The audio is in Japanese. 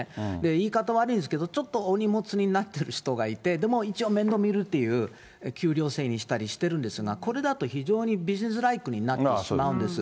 言い方悪いんですけど、ちょっとお荷物になってる人がいて、でも一応面倒みるっていう、給料制にしたりしてるんですが、これだと非常にビジネスライクになってしまうんです。